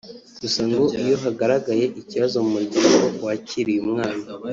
Gusa ngo iyo hagaragaye ikibazo mu muryango wakiriye umwana